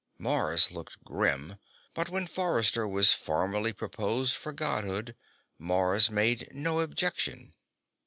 Mars looked grim, but when Forrester was formally proposed for Godhood, Mars made no objection.